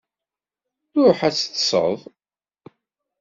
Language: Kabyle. Ṛuḥ ad teṭṭseḍ!